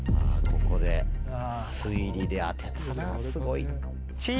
ここで推理で当てたらすごい。